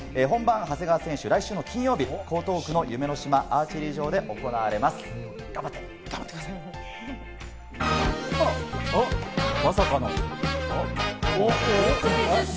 本番、長谷川選手、来週の金曜日、江東区の夢の島アーチェリー場でおっ、まさかの？